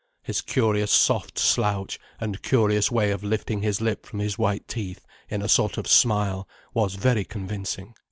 His curious soft slouch, and curious way of lifting his lip from his white teeth, in a sort of smile, was very convincing.